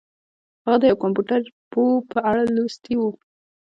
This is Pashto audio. هغه د یو کمپیوټر پوه په اړه لوستي وو